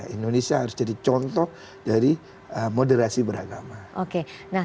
indonesia harus jadi contoh dari moderasi beragama